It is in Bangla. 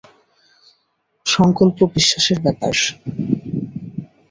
সঙ্কল্প বিশ্বাসের ব্যাপার।